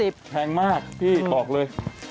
แพงมากพี่บอกเลย